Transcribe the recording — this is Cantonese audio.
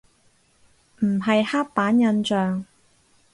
唔係刻板印象